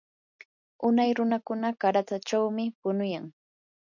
unay runakuna qaratsachawmi punuyan.